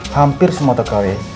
hampir semua tokawih